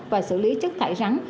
và xử lý chất thải rắn